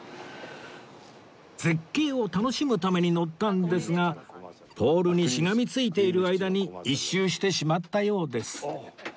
絶景を楽しむために乗ったんですがポールにしがみついている間に１周してしまったようです